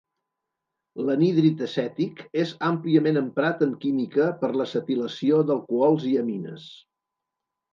L'anhídrid acètic és àmpliament emprat en química per l'acetilació d'alcohols i amines.